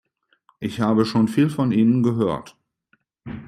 Ich habe schon viel von Ihnen gehört.